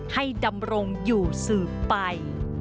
ดำรงอยู่สืบไป